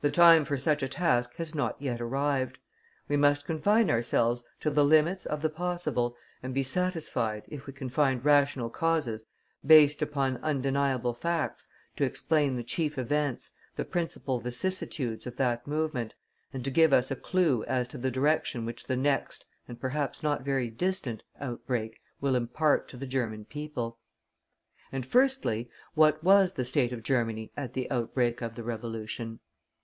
The time for such a task has not yet arrived; we must confine ourselves to the limits of the possible, and be satisfied, if we can find rational causes, based upon undeniable facts, to explain the chief events, the principal vicissitudes of that movement, and to give us a clue as to the direction which the next, and perhaps not very distant, outbreak will impart to the German people. And firstly, what was the state of Germany at the outbreak of the Revolution?